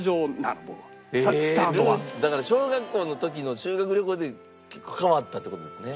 ルーツだから小学校の時の修学旅行で結構変わったって事ですね。